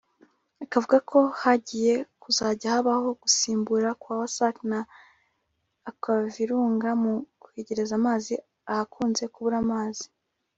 akavuga ko hagiye kuzajya habaho gusimbura kwa Wasac na Aquavirunga mu kwegereza amazi ahakunze kubura amazi